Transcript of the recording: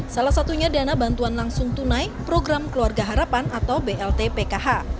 salah satunya dana bantuan langsung tunai program keluarga harapan atau blt pkh